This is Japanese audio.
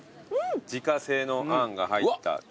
自家製のあんが入った。